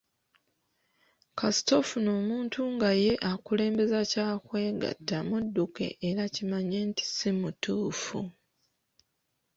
Kasita ofuna omuntu nga ye akulembeza kya kwegatta mudduke era kimanye nti si mutuufu.